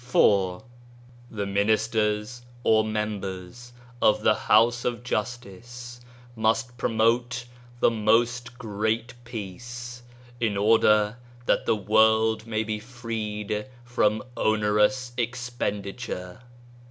23 4. " The Ministers (or members) of the House of Justice must promote * The most Great Peace * in order that the world may be freed from oner •ous expenditure.